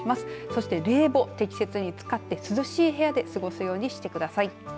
そして冷房を適切に使って涼しい部屋で過ごすようにしてください。